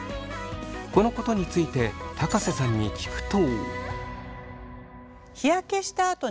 このことについて瀬さんに聞くと。